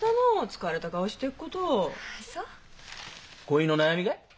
恋の悩みがい？